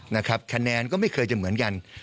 นะครับคะแนนก็ไม่เคยจะเหมือนกัน